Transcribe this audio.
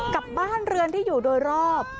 กับบ้านเรือนที่อยู่โดยรอบ